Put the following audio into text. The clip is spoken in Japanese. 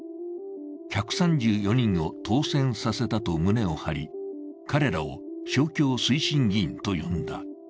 １３４人を当選させたと胸を張り、彼らを勝共推進議員と呼んだ。